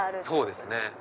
そうですね。